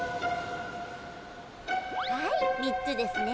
はい３つですね。